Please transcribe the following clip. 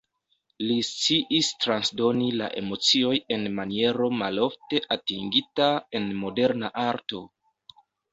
Li sciis transdoni la emocioj en maniero malofte atingita en moderna arto.